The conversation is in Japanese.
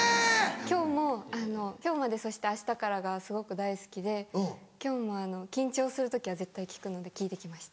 今日もあの『今日までそして明日から』がすごく大好きで今日も緊張する時は絶対聴くので聴いて来ました。